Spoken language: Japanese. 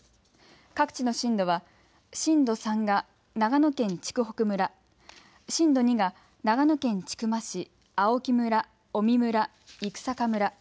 各地の震度は震度３が長野県筑北村、震度２が長野県千曲市、青木村、麻績村、生坂村。